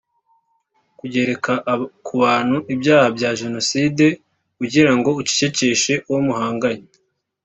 Kugereka k’ubantu ibyaha bya jenoside ugira ngo ucecekeshe uwo muhanganye